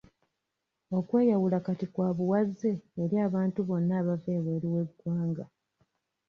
Okweyawula kati kwa buwaze eri abantu bonna abava ebweru w'eggwanga.